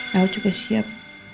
kau juga siap